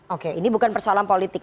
oke ini bukan persoalan politik